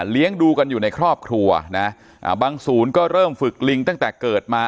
ดูกันอยู่ในครอบครัวนะบางศูนย์ก็เริ่มฝึกลิงตั้งแต่เกิดมา